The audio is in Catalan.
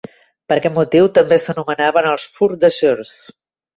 Per aquest motiu també s'anomenaven els "Four-deucers".